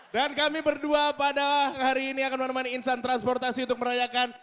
dan kami berdua pada hari ini akan menemani insan transportasi untuk merayakan